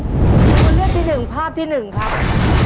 ตัวเลือกที่หนึ่งภาพที่หนึ่งครับ